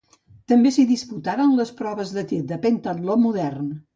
També s’hi disputaren les proves de tir de pentatló modern.